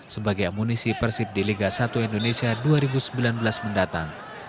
sebagai amunisi persib di liga satu indonesia dua ribu sembilan belas mendatang